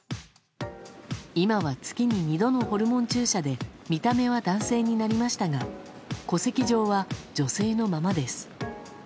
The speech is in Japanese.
今は月に２度のホルモン注射で見た目は男性になりましたが戸籍上は女性のままです。